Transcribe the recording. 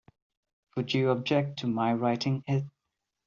Would you object to my writing it?